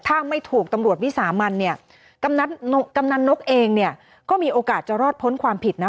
ถ้าไม่ถูกตำรวจวิสามันเนี่ยกำนันนกเองเนี่ยก็มีโอกาสจะรอดพ้นความผิดนะ